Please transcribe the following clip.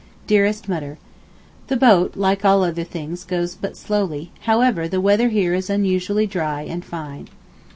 DEAREST MUTTER, The boat like all other things goes but slowly—however the weather here is unusually dry and fine.